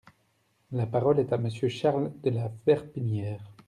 La parole est à Monsieur Charles de la Verpillière.